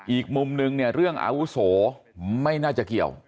อีกมุมนึงเนี่ยเรื่องอาวุโสไม่น่าจะเกี่ยว